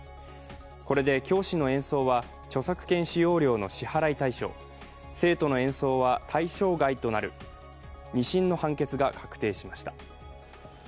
これで教師の演奏は著作権使用料の支払い対象、生徒の演奏は対象外となる２審の判決が確定しました。